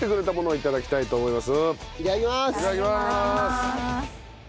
いただきます。